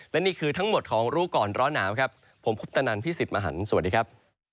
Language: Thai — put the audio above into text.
และนี่คือทั้งหมดของรู้ก่อนร้อนหนาวครับผมคุปตนันพี่สิทธิ์มหันฯสวัสดีครับ